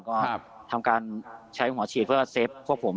ก็ทำการใช้หัวฉีดเพื่อเซฟพวกผม